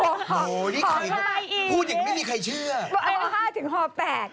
โอ้โฮพูดอย่างไม่มีใครเชื่อนี่ค่ะถึงห่อแปลก